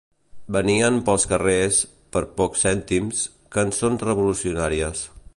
Venien pels carrers, per pocs cèntims, cançons revolucionàries